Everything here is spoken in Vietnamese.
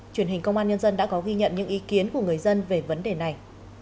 truyền hình công an nhân dân đã có ghi nhận những ý kiến của người dân về vấn đề này